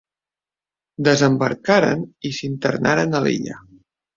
Desembarcaren i s'internaren a l'illa.